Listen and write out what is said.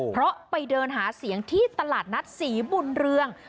เพราะไปเดินหาเสียงที่ตลาดนัดศรีบุญเรือง